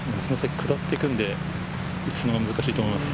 下って行くので打つが難しいと思います。